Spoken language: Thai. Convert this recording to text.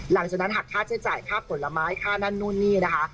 หลังจากนั้นหักค่าใช้จ่ายค่าผลไม้ค่านั่นนู่นนี่นะคะ